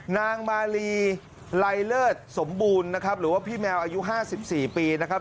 นางมาลีไลเลิศสมบูรณ์นะครับหรือว่าพี่แมวอายุ๕๔ปีนะครับ